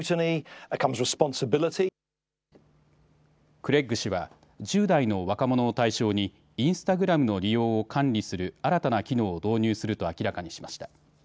クレッグ氏は１０代の若者を対象にインスタグラムの利用を管理する新たな機能を導入すると明らかにしました。